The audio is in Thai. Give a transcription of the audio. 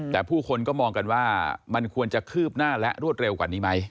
แต่ผู้คนก็มองกันว่ามันควรจะคืบหน้าและรวดเร็วกว่านี้ไหม